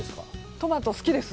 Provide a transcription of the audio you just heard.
トマト、好きです。